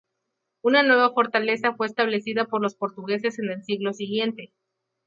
Una nueva fortaleza fue establecida por los portugueses en el siglo siguiente.